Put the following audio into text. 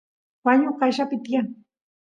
wañu qayllapi tiyan